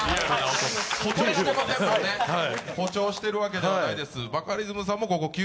誇張してるわけではないです。